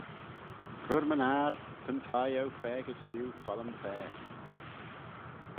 Cur-my-ner, ta'n thie eu faagit diu follym-faase.